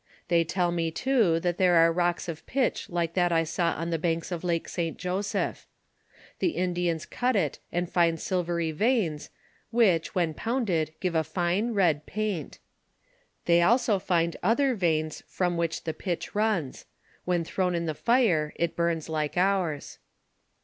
They tell me too, that there are rocks of pitch like that I saw on the banks of Lake St. Joseph. The Indians cut it and find silvery veins, which, when pounded, give a fine red paint. They also find other veins, from which the pitch runs ; when thrown in the fire, it burns like oure.